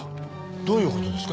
どういう事ですか？